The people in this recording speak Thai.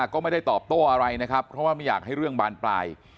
ก็ไม่ได้ตอบโต้อะไรนะครับเพราะว่าไม่อยากให้เรื่องบานปลาย